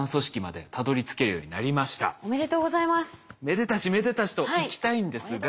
めでたしめでたしといきたいんですが。